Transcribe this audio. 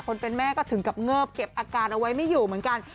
เป็นแม่ก็ถึงกับเงิบเก็บอาการเอาไว้ไม่อยู่เหมือนกัน